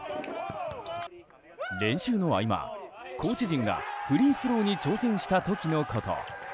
練習の合間、コーチ陣がフリースローに挑戦した時のこと。